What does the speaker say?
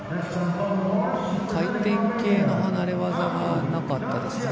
回転系の離れ技がなかったですね。